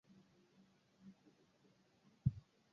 Epuka kugusa mifugo iliyoambukizwa ugonjwa